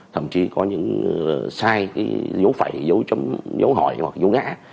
thậm chí có những sai dấu phẩy dấu hỏi hoặc dấu ngã